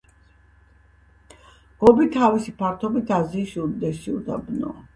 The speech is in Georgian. გობი თავისი ფართობით აზიის უდიდესი უდაბნოა.